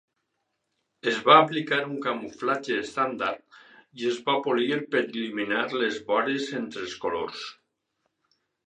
Es va aplicar un camuflatge estàndard i es va polir per eliminar les vores entre els colors.